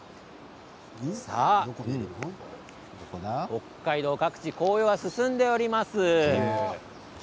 北海道各地紅葉が進んでおります。